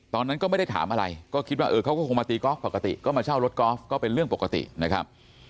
ตอนนั้นก็ไม่ได้ถามอะไรก็คิดว่าเออเขาก็คงมาตีกอล์ฟปกติก็มาเช่ารถกอล์ฟก็เป็นเรื่องปกตินะครับ